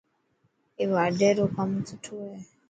ائي واڍي رو ڪم سٺو هي.